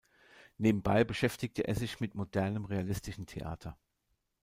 Nebenbei beschäftigte er sich mit modernem realistischen Theater.